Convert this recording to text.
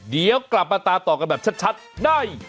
เดี๋ยวกลับมาตามต่อกันแบบชัดได้